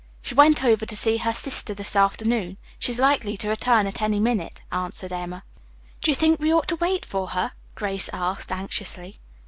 "She went over to see her sister this afternoon. She's likely to return at any minute," answered Emma. "Do you think we ought to wait for her?" Grace asked anxiously.